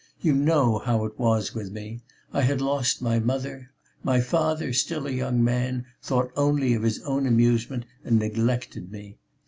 You know how it was with me; I had lost my mother, my father, still a young man, thought only of his own amusement and neglected me.